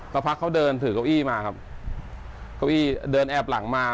สักพักเขาเดินถือเก้าอี้มาครับเก้าอี้เดินแอบหลังมา